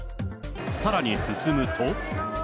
さらに進むと。